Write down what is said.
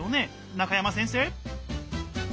中山先生。